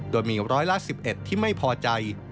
โดยมีร้อยละ๑๑ที่ไม่พอใจ